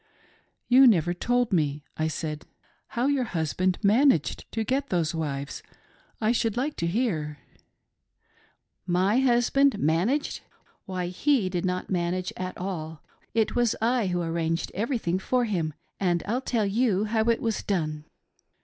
" You never told me," I said, " how your husband managed to get those wives. I should like to hear." " My husband managed ! Why he did not manage at all ; ■it was I who arranged everything for him, and I'll tell you how it was done.